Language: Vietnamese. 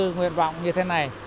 nguyện vọng như thế này